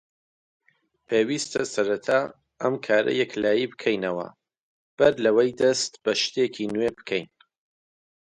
پێویستە سەرەتا ئەم کارە یەکلایی بکەینەوە بەر لەوەی دەست بە شتێکی نوێ بکەین.